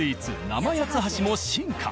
生八ッ橋も進化。